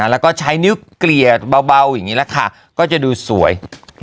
แล้วก็ใช้นิ้วเกลี่ยเบาอย่างนี้แหละค่ะก็จะดูสวย